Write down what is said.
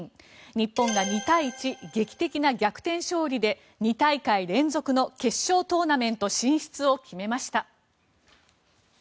日本が２対１、劇的な逆転勝利で２大会連続の決勝トーナメント進出を決めました。